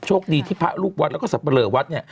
โชคดีที่พระลูกวัดแล้วก็สับปะเรอวัด